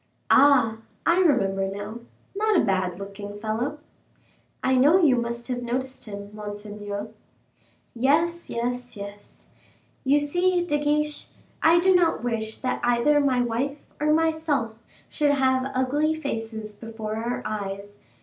"Ah, I remember now not a bad looking fellow." "I know you must have noticed him, monseigneur." "Yes, yes, yes. You see, De Guiche, I do not wish that either my wife or myself should have ugly faces before our eyes.